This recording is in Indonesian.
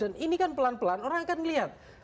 dan ini kan pelan pelan orang akan melihat